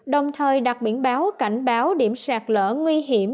đồng thời đặt biển báo cảnh báo điểm sạt lở nguy hiểm